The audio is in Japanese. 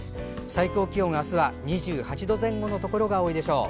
最高気温、明日は２８度前後のところが多いでしょう。